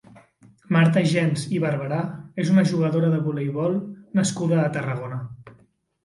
Marta Gens i Barberà és una jugadora de voleibol nascuda a Tarragona.